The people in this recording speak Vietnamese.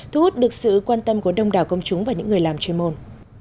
thu hút được sự quan tâm của đông đảo công chúng và những người làm chuyên môn